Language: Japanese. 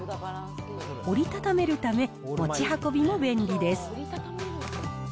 折り畳めるため、持ち運びも便利です。